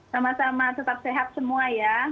sama sama tetap sehat semua ya